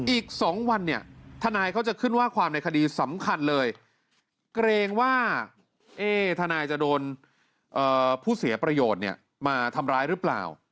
อีก๒วันเนี่ยทนายเขาจะขึ้นว่าความในคดีสำคัญเลยเกรงว่าทนายจะโดนผู้เสียประโยชน์เนี่ยมาทำร้ายหรือเปล่า